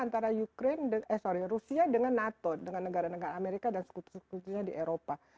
perang itu antara rusia dengan nato dengan negara negara amerika dan sekutu sekutunya di eropa